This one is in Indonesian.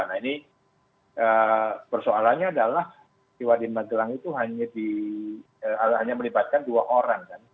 nah ini persoalannya adalah siwa di magelang itu hanya melibatkan dua orang kan